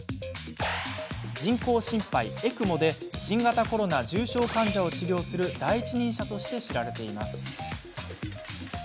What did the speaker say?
人工心肺・ＥＣＭＯで新型コロナ重症患者を治療する第一人者として知られています。